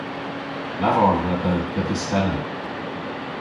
Lavar dhedha dhe fistena.